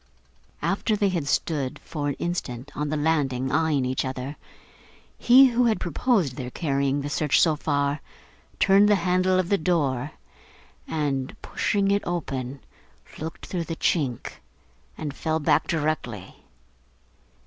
After they had stood for an instant, on the landing, eyeing each other, he who had proposed their carrying the search so far, turned the handle of the door, and, pushing it open, looked through the chink, and fell back directly.